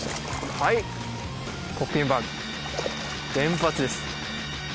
はいポッピンバグ連発です